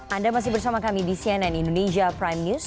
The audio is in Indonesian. anda masih bersama kami di cnn indonesia prime news